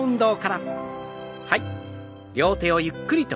はい。